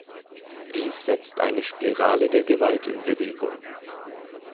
Dies setzt eine Spirale der Gewalt in Bewegung.